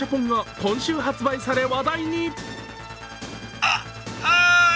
今週、発売され、話題に。